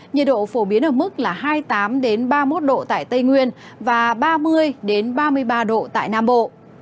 nhiệt độ phổ biến ở mức là hai mươi tám ba mươi một độ tại tây nguyên và ba mươi ba mươi ba độ tại nam bộ